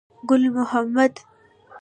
ګل محمد.